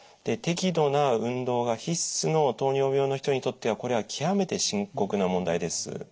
適度な運動が必須の糖尿病の人にとってはこれは極めて深刻な問題です。